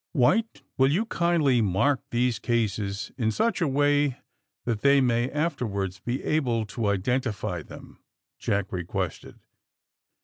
^* White, will you kindly mark these cases in such a way that you may afterwards be able to identify them?" Jack requested.